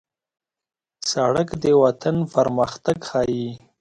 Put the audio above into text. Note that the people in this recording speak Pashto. سړک د وطن پرمختګ ښيي.